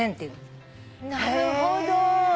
なるほど。